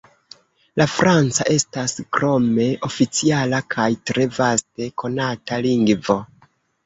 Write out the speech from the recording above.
La franca estas krome oficiala kaj tre vaste konata lingvo.